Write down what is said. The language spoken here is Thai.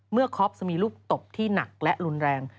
คอปจะมีลูกตบที่หนักและรุนแรง